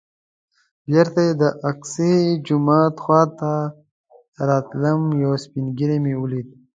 بېرته چې د الاقصی جومات خوا ته راتلم یو سپین ږیری مې ولید.